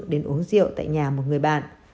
đến uống rượu tại nhà một người bạn